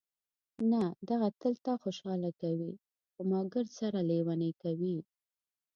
نه، دغه تل تا خوشحاله کوي، خو ما ګردسره لېونۍ کوي.